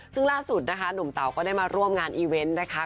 ซึ่งล่าสุดนะคะหนุ่มเต๋าก็ได้มาร่วมงานอีเวนต์นะคะ